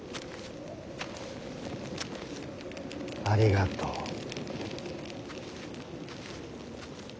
ありがとう。